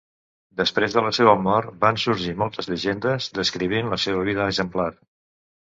Després de la seva mort van sorgir moltes llegendes, descrivint la seva vida exemplar.